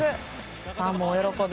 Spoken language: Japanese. ファンも大喜び。